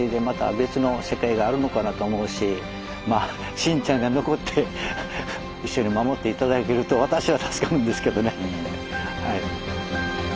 晋ちゃんが残って一緒に守って頂けると私は助かるんですけどね。